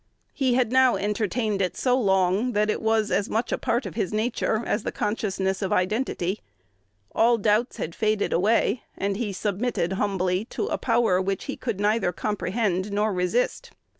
He had now entertained it so long, that it was as much a part of his nature as the consciousness of identity. All doubts had faded away, and he submitted humbly to a power which he could neither comprehend nor resist.